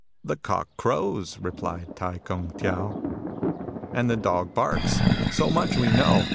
"The cock crows," replied Tai Kung Tiao, " and the dog barks. So much we know.